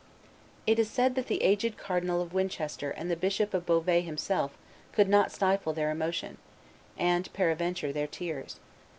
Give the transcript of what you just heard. It is said that the aged Cardinal of Winchester and the Bishop of Beauvais himself could not stifle their emotion and, peradventure, their tears.